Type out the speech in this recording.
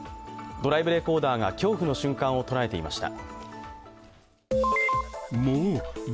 ドライブレコーダーが恐怖の瞬間を捉えていました。